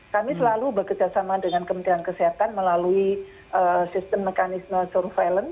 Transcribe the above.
kami selalu bekerjasama dengan kementerian kesehatan melalui sistem mekanisme surveillance